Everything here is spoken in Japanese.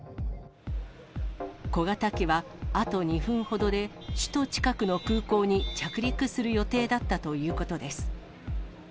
小型機はあと２分ほどで首都近くの空港に着陸する予定だったということです。